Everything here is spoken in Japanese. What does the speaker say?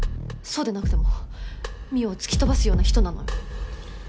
そうでなくても望緒を突き飛ばすような人なのよ。